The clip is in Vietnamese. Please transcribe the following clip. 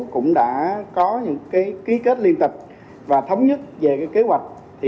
cũng đã có những ký kết liên tịch và thống nhất về kế hoạch